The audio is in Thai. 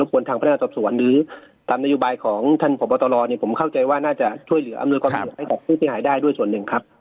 ก็ตามนัยบายของทหปตลเนี่ยผมเข้าใจว่าน่าจะช่วยเหลืออำนวยกล้าประโยชน์ให้กับผู้ที่หายได้ด้วยส่วนหนึ่งครับ